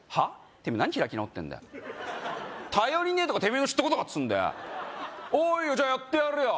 てめえ何開き直ってんだ頼りねえとかてめえの知ったことかっつーんだよおおいいよじゃあやってやるよ